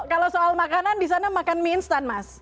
kalau soal makanan di sana makan mie instan mas